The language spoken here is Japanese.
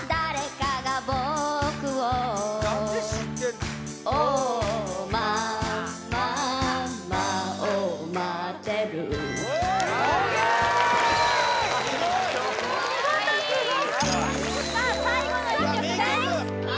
かわいいさあ最後の１曲です